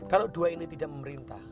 kalau dua ini tidak memerintah